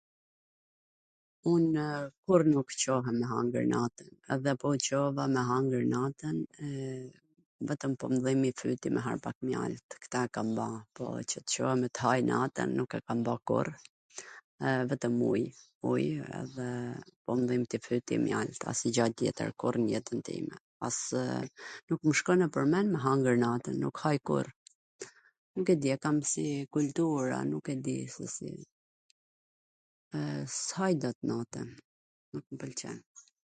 Unw kurr nuk Cohem me hangwr natwn, edhe po u Cova me hangwr natwn, vetwm po m dhimi fyti me hangwr pak mjalt, ktw e kam ba, po qw t Cohem tw haj natwn nuk e kam bo kurr, vetwm uj, uj, edhe po mw dhimbte fyti, mjalt ose gjalp. Tjetwr kurr n jetwn time, as, ww, nuk mw shkon nwpwr mwnd me hangwr natwn, nuk haj kurr. Nuk e di, e kam si kultur, a nuk e di, s haj dot natwn, nuk mw pwlqen.